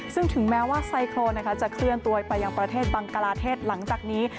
ซึ่งถึงแม้ว่าไซโครนจะเคลื่อนตัวไปยังประเทศบังกลาเทศหลังจากนี้